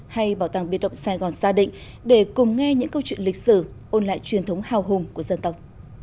hay bảo tàng biệt động sài gòn xa định để cùng nghe những câu chuyện lịch sử ôn lại truyền thống hào hùng của dân tộc